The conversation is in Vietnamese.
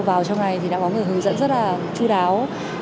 vào trong này thì đã có một hướng dẫn rất là chú đáo